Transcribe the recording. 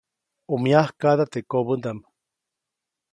ʼU myakaʼda teʼ kobäʼndaʼm.